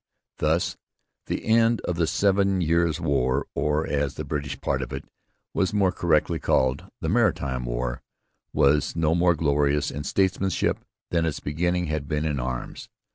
Thus the end of the Seven Years' War, or, as the British part of it was more correctly called, the 'Maritime War,' was no more glorious in statesmanship than its beginning had been in arms.